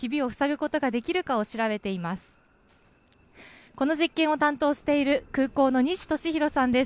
この実験を担当している、空港の西としひろさんです。